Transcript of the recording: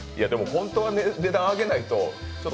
本当は値段上げないとちょっと。